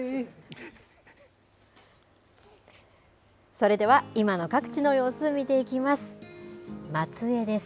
それでは今の各地の様子、見ていきます。